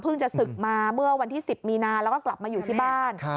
จะศึกมาเมื่อวันที่๑๐มีนาแล้วก็กลับมาอยู่ที่บ้าน